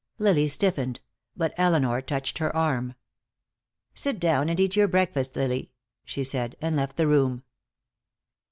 Lily stiffened, but Elinor touched her arm. "Sit down and eat your breakfast, Lily," she said, and left the room.